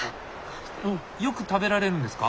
よく食べられるんですか？